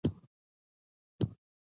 سنگ مرمر د افغانانو ژوند اغېزمن کوي.